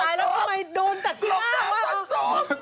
ตายแล้วทำไมโดนแต่ก๊าว